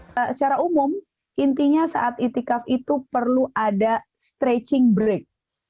secara umum intinya saat itikaf itu perlu ada stretching break